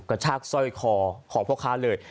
กระชากสร้อยคอของพ่อค้าเลย